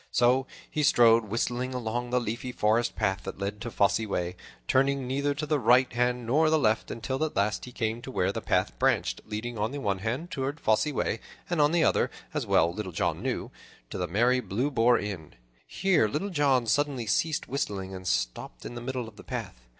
So he strode whistling along the leafy forest path that led to Fosse Way, turning neither to the right hand nor the left, until at last he came to where the path branched, leading on the one hand onward to Fosse Way, and on the other, as well Little John knew, to the merry Blue Boar Inn. Here Little John suddenly ceased whistling and stopped in the middle of the path.